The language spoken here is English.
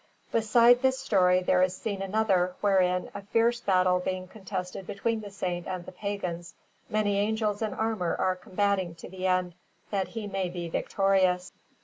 Beside this story there is seen another, wherein, a fierce battle being contested between the Saint and the pagans, many angels in armour are combating to the end that he may be victorious.